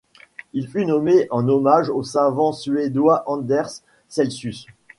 Il fut nommé en hommage au savant suédois Anders Celsius.